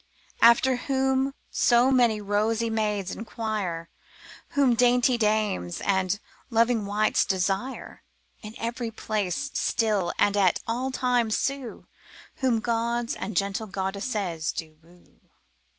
After whom so many rosy maids inquire, Whom dainty dames and loving wights desire, In every place, still, and at all times sue, Whom gods and gentle goddesses do woo.